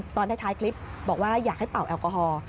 ตอนท้ายคลิปบอกว่าอยากให้เป่าแอลกอฮอล์